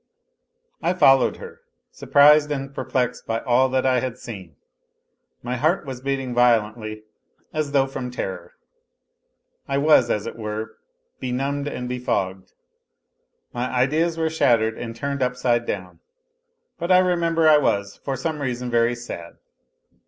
I followed her, surprised and perplexed by all that I had seen. My heart was beating violently, as though from terror. I was, as it were, benumbed and befogged; my ideas were shattered and turned upside down ; but I remember I was, for some n ;i><>n, very sad.